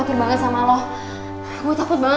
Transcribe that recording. tantan dari hidung